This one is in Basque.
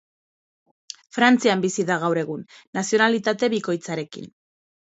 Frantzian bizi da gaur egun, nazionalitate bikoitzarekin.